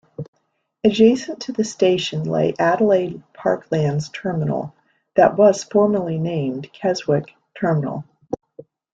Adjacent to the station lay Adelaide Parklands Terminal, that was formerly named Keswick Terminal.